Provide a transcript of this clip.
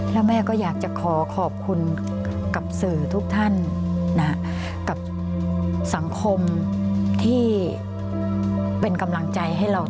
แล้วแม่ก็อยากจะขอขอบคุณกับสื่อทุกท่านกับสังคมที่เป็นกำลังใจให้เรา